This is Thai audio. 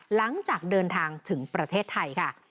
หลังจากเดินทางถึงประเทศไทยค่ะ